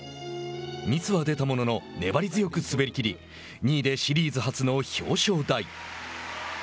ミスは出たものの粘り強く滑りきり２位でシリーズ初の表彰台。